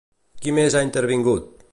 Qui més ha intervingut?